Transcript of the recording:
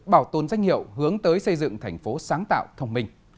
bảo tồn danh hiệu hướng tới xây dựng thành phố sáng tạo thông minh